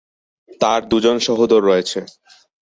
তার দুজন সহোদর রয়েছে।